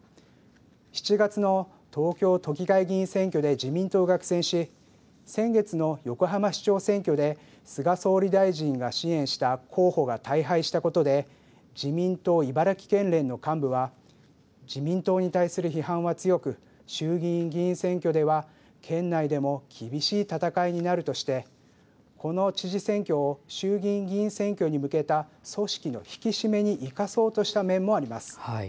７月の東京都議会議員選挙で自民党が苦戦し先月の横浜市長選挙で菅総理大臣が支援した候補が大敗したことで自民党茨城県連の幹部は自民党に対する批判は強く衆議院議員選挙では県内でも厳しい戦いになるとしてこの知事選挙を衆議院選挙に向けた組織の引き締めに生かそうとした面もあります。